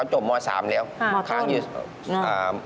มต้นใช่ไหมครับ